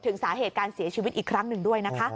ถึงสาเหตุการเสียชีวิตอีกครั้งหนึ่งด้วยนะคะ